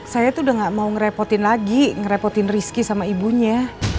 saya tuh udah gak mau ngerepotin lagi ngerepotin rizky sama ibunya